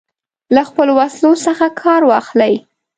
له خپلو وسلو څخه کار واخلي.